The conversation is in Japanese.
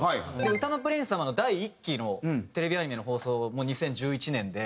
『うたの☆プリンスさまっ』の第１期のテレビアニメの放送も２０１１年で。